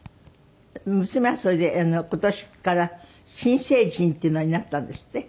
娘はそれで今年から新成人っていうのになったんですって？